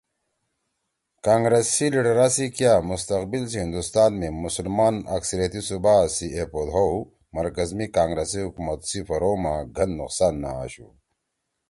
کانگرس سی لیڈرا سی کیا مستقبل سی ہندوستان می مسلمان اکثریتی صوبا سی ایپود ہؤ مرکز می کانگرس سی حکومت سی پھورُو ما گھن نقصان نہ آشُو